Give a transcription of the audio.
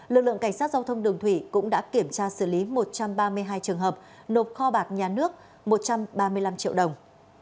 lực lượng cảnh sát giao thông đường thủy cũng đã kiểm tra xử lý một trăm ba mươi hai trường hợp nộp kho bạc nhà nước một trăm ba mươi năm triệu đồng